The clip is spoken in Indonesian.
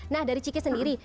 nah dari ciki sendiri